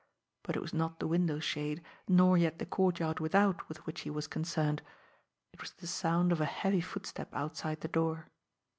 But it was not the window shade, nor yet the courtyard without with which he was concerned it was the sound of a heavy footstep outside the door.